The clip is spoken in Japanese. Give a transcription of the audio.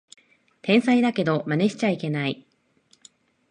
天才だけどマネしちゃいけない